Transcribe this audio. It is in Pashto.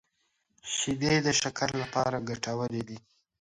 شیدې د شکر لپاره ګټورې دي